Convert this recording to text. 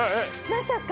まさか！